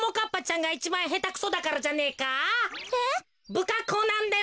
ぶかっこうなんだよな。